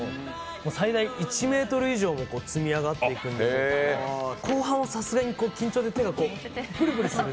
最大１ｍ以上積み上がっていくんで、後半はさすがに緊張で手がプルプルする。